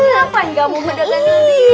kenapa gak mau bedakin